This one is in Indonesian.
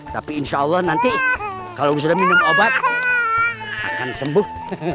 tapi insya allah nanti kalau sudah minum obat akan sembuh